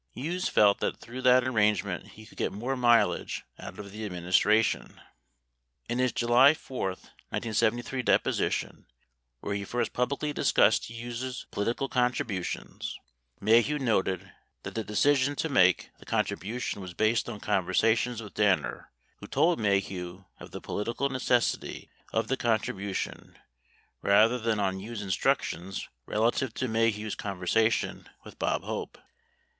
Hughes felt that through that arrangement he would get more mileage out of the administration. 57 In his July 4, 1973, deposition, where he first publicly discussed Hughes' political contributions, Maheu noted that the decision to make the contribution was based on conversations with Danner, who told Maheu of the political necessity of the contribution, rather than on Hughes' instructions relative to Maheu's conversation with Bob Hope.